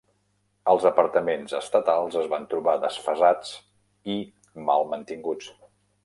Els apartaments estatals es van trobar desfasats i mal mantinguts.